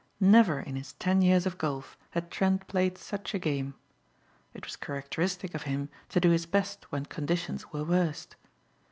Never in his ten years of golf had Trent played such a game. It was characteristic of him to do his best when conditions were worst.